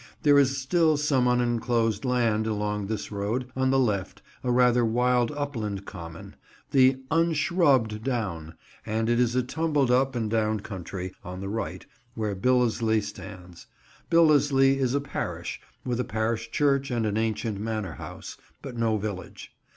There is still some unenclosed land along this road, on the left, a rather wild upland common—the "unshrubb'd down"; and it is a tumbled up and down country on the right, where Billesley stands. Billesley is a parish, with a parish church and an ancient manor house, but no village.